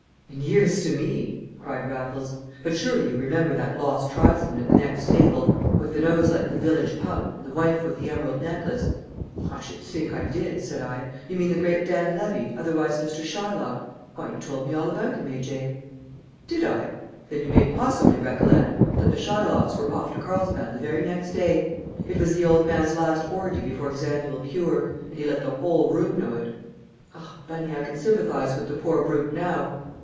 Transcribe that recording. "And years to me!" cried Raffles. "But surely you remember that lost tribesman at the next table, with the nose like the village pump, and the wife with the emerald necklace?" "I should think I did," said I; "you mean the great Dan Levy, otherwise Mr. Shylock? Why, you told me all about him, A. J." "Did I? Then you may possibly recollect that the Shylocks were off to Carlsbad the very next day. It was the old man's last orgy before his annual cure, and he let the whole room know it. Ah, Bunny, I can sympathise with the poor brute now!"